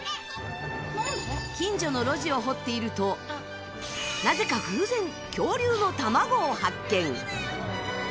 近所の路地を掘っているとなぜか偶然、恐竜の卵を発見。